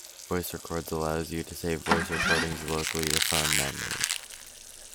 Voice Records allows you to save voice recordings locally to phone memory.